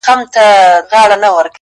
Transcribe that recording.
چا ویل چي خدای د انسانانو په رکم نه دی!